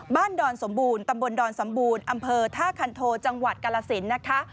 ดอนสมบูรณ์ตำบลดอนสมบูรณ์อำเภอท่าคันโทจังหวัดกาลสินนะคะ